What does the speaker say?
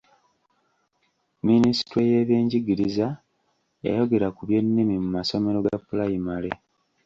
Minisitule y'ebyenjigiriza yayogera ku by'ennimi mu masomero ga pulayimale.